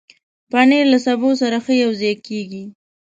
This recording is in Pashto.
پنېر له سبو سره ښه یوځای کېږي.